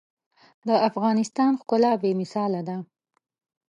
د افغانستان ښکلا بې مثاله ده.